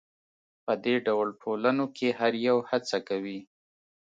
په دې ډول ټولنو کې هر یو هڅه کوي.